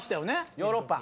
ヨーロッパ。